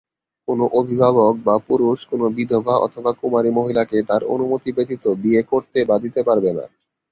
কোনো অভিভাবক বা পুরুষ কোনো বিধবা অথবা কুমারী মহিলাকে তার অনুমতি ব্যতীত বিয়ে করতে বা দিতে পারবে না।